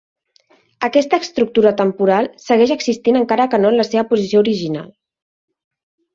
Aquesta estructura temporal segueix existint encara que no en la seva posició original.